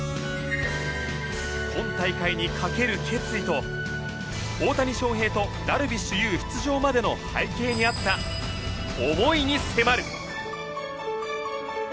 今大会に懸ける決意と大谷翔平とダルビッシュ有出場までの背景にあった思いに迫る！